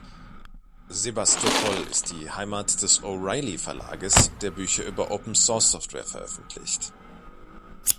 Sebastopol ist die Heimat des O’Reilly Verlages, der Bücher über Open-Source-Software veröffentlicht.